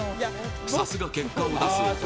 さすが結果を出す男